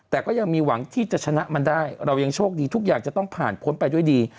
แต่ก็ยังมีหวังที่จะชนะมันได้เรายังโชคดีทุกอย่างจะต้องผ่านพ้นไปด้วยดี